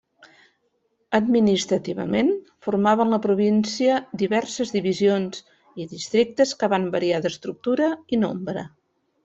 Administrativament formaven la província diverses divisions i districtes que van variar d'estructura i nombre.